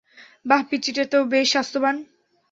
বাহ, পিচ্চিটা তো বেশ স্বাস্থ্যবান!